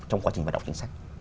trong quá trình vận động chính sách